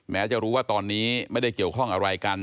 แม้จะรู้ว่าตอนนี้ไม่ได้เกี่ยวข้องอะไรกัน